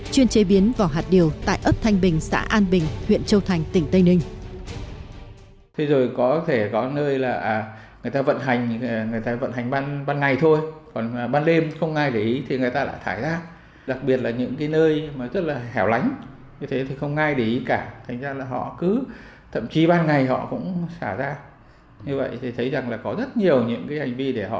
chuyên truyền hình hữu hạn rixa global business chuyên truyền hình hữu hạn rixa global business